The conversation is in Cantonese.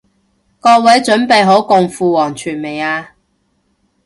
各位準備好共赴黃泉未啊？